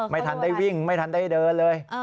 ไม่ทันได้วิ่งไม่ทันได้เดินเลย